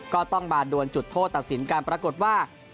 ก็ต้องมาดวนจุดโทษตัดสินกันปรากฏว่า